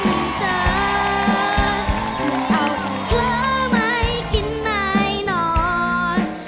ไม่เอาเผลอไหมกินไม่นอน